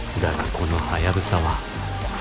このハヤブサは